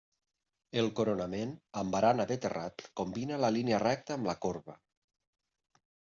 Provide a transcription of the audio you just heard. El coronament, amb barana de terrat, combina la línia recta amb la corba.